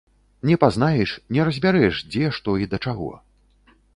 Не пазнаеш, не разбярэш, дзе што і да чаго.